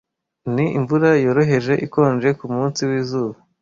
Ni imvura yoroheje ikonje kumunsi wizuba.